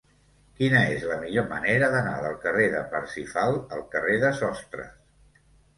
Quina és la millor manera d'anar del carrer de Parsifal al carrer de Sostres?